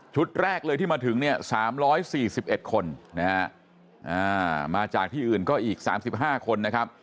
แรกเลยที่มาถึงเนี่ย๓๔๑คนนะฮะมาจากที่อื่นก็อีก๓๕คนนะครับ